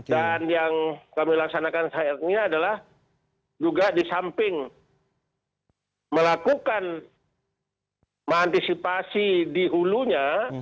dan yang kami laksanakan saat ini adalah juga di samping melakukan mengantisipasi di hulunya